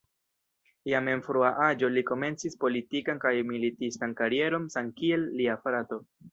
Jam en frua aĝo li komencis politikan kaj militistan karieron samkiel lia frato.